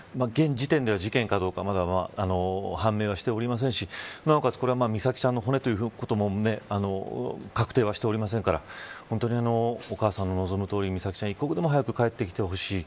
現時点では、事件かどうかはまだ判明はしておりませんしなおかつ、これは美咲ちゃんの骨ということも確定はしておりませんから本当にお母さんの望むとおり美咲ちゃんが一刻も早く帰ってきてほしい。